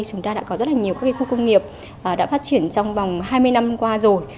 chúng ta đã có rất nhiều khu công nghiệp đã phát triển trong vòng hai mươi năm qua rồi